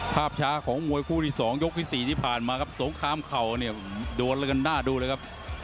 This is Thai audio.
ภาพช้าของมวยคู่ที่๒ยกที่๔ที่ผ่านมาครับสงครามเข่าเนี่ยโดนแล้วกันหน้าดูเลยครับ